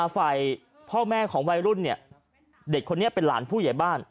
ฝ่ายพ่อแม่ของวัยรุ่นเนี่ยเด็กคนนี้เป็นหลานผู้ใหญ่บ้าน